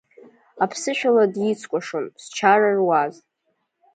Аԥсышәала дицкәашон, зчара руаз.